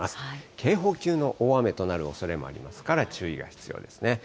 警報級の大雨となるおそれもありますから、注意が必要ですね。